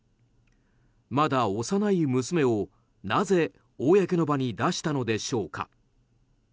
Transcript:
まだ幼い娘をなぜ公の場に出したのでしょうか。